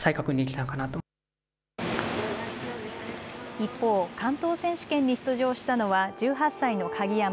一方、関東選手権に出場したのは１８歳の鍵山。